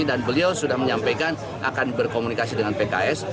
dan beliau sudah menyampaikan akan berkomunikasi dengan pks